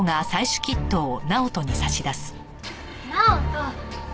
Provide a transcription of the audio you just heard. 直人。